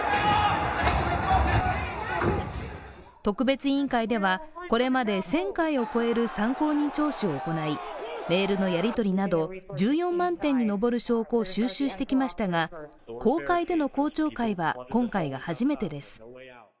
特別委員会では、これまで１０００回を超える参考人聴取を行い、メールのやりとりなど１４万点に上る証拠を収集してきましたが公開での公聴会は今回が初めてです。